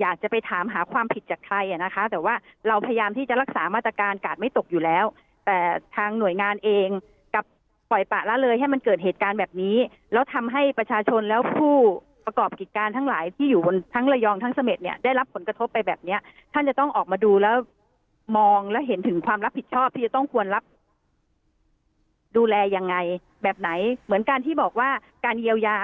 อยากจะไปถามหาความผิดจากใครอ่ะนะคะแต่ว่าเราพยายามที่จะรักษามาตรการกาดไม่ตกอยู่แล้วแต่ทางหน่วยงานเองกับปล่อยปะละเลยให้มันเกิดเหตุการณ์แบบนี้แล้วทำให้ประชาชนแล้วผู้ประกอบกิจการทั้งหลายที่อยู่บนทั้งระยองทั้งเสม็ดเนี่ยได้รับผลกระทบไปแบบเนี้ยท่านจะต้องออกมาดูแล้วมองแล้วเห็นถึงความรับผิดชอบที่จะต้องควรรับดูแลยังไงแบบไหนเหมือนการที่บอกว่าการเยียวยา